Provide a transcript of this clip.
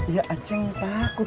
ya a ceng takut